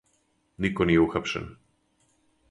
Нико није ухапшен.